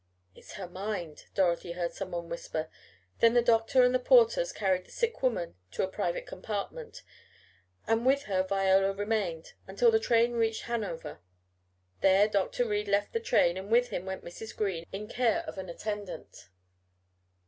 "It's her mind," Dorothy had heard someone whisper. Then the doctor had the porters carry the sick woman to a private compartment, and with her Viola remained, until the train reached Hanover. There Dr. Reed left the train and with him went Mrs. Green in care of an attendant.